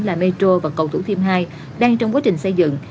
là metro và cầu thủ thiêm hai đang trong quá trình xây dựng